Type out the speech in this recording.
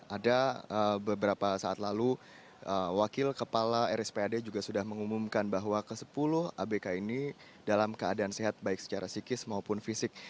ada beberapa saat lalu wakil kepala rspad juga sudah mengumumkan bahwa ke sepuluh abk ini dalam keadaan sehat baik secara psikis maupun fisik